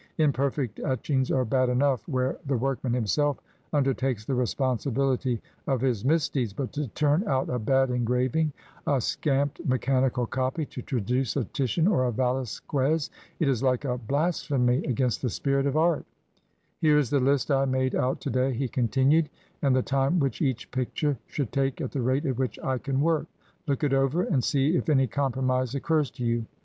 Imperfect etchings are bad enough, where the workman himself undertakes the respon sibility of his misdeeds, but to turn out a bad PRINCE Hassan's carpet. 195 engraving, a scamped mechanical copy, to traduce a Titian or a Velasquez, it is like a blasphemy against the spirit of art Here is the list I made out to day," he continued, "and the time which each picture should take at the rate at which I can work. Look it over, and see if any compromise occurs to you.